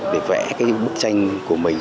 để vẽ cái bức tranh của mình